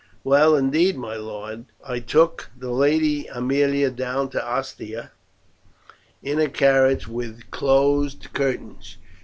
"Well indeed, my lord. I took the Lady Aemilia down to Ostia in a carriage with closed curtains.